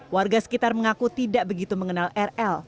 warga sekitar mengaku tidak begitu mengenal rl